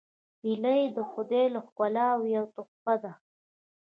هیلۍ د خدای له ښکلاوو یوه تحفه ده